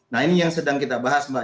nah ini yang sedang kita bahas mbak